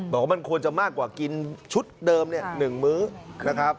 บอกว่ามันควรจะมากกว่ากินชุดเดิม๑มื้อนะครับ